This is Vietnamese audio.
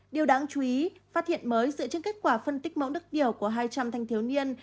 điều đáng chú ý phát hiện mới dựa trên kết quả phân tích mẫu đức tiểu của hai trăm linh thanh thiếu niên